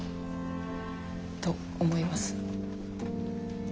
と思います。